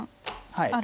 はい。